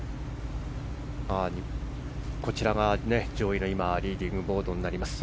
こちら上位がリーディングボードになります。